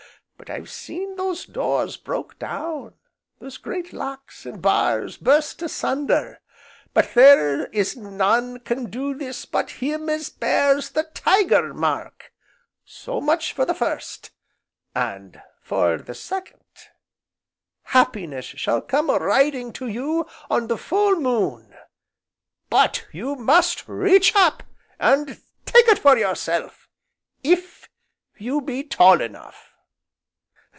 But I have seen those doors broke' down, those great locks, and bars burst asunder, but there is none can do this but him as bears the Tiger Mark. So much for the first. And, for the second, Happiness shall come a riding to you on the full moon, but you must reach up and take it for yourself, if you be tall enough."